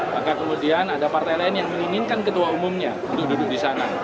maka kemudian ada partai lain yang menginginkan ketua umumnya untuk duduk di sana